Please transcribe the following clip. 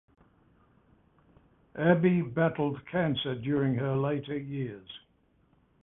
Abi battled cancer during her later years.